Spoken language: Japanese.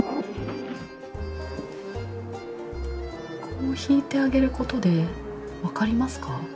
こう引いてあげることで分かりますか？